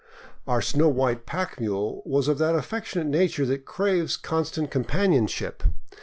Our snow white pack mule was of that affectionate nature that craves constant companionship.